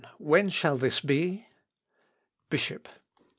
When shall this be? BISHOP.